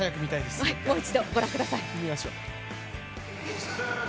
もう一度ご覧ください。